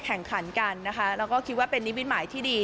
แข่งขันกันนะคะแล้วก็คิดว่าเป็นนิมิตหมายที่ดี